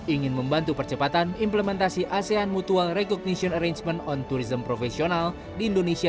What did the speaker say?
ingin membantu percepatan implementasi asean mutual recognition arrangement on tourism profesional di indonesia